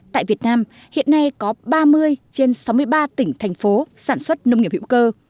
tại việt nam hiện nay có ba mươi trên sáu mươi ba tỉnh thành phố sản xuất nông nghiệp hữu cơ